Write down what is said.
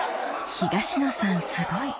東野さんすごい！